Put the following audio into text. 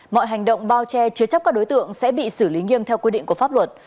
mọi hành động bao che chứa chấp các đối tượng sẽ bị xử lý nghiêm theo quy định của pháp luật